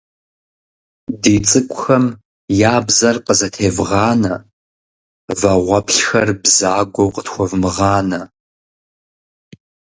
Ди цӀыкӀухэм я бзэр къызэтевгъанэ, вагъуэплъхэр бзагуэу къытхуэвмыгъанэ.